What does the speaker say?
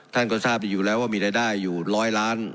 ท่านก็ทราบดีอยู่แล้วว่ามีรายได้อยู่ร้อยล้าน